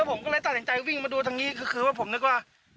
ผมก็เลยตัดสินใจวิ่งมาดูทางนี้คือว่าผมนึกว่า